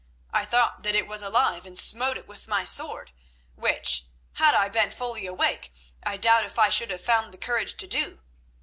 I thought that it was alive and smote it with my sword, which, had I been fully awake, I doubt if I should have found the courage to do.